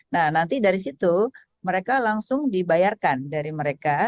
nah nanti dari situ mereka langsung dibayarkan dari mereka